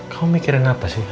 kamu mikirkan apa sih